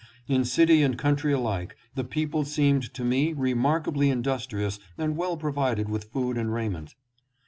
In city and country alike the people seemed to me remarkably industrious and well provided with food and raiment.